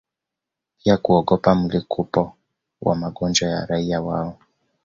pia kuogopa mlipuko wa magonjwa kwa raia wao